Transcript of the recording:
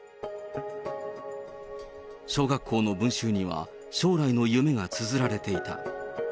小学校の文集には、将来の夢がつづられていた。